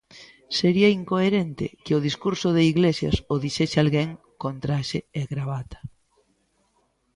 Sería incoherente que o discurso de Iglesias o dixese alguén con traxe e gravata.